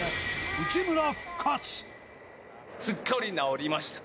すっかり治りました。